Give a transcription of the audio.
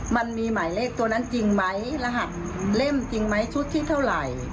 มันมีหมายเลขตัวนั้นจริงไหมรหัสเล่มจริงไหมชุดที่เท่าไหร่